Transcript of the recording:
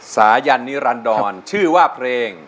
สายันนิรันดรชื่อว่าเพลง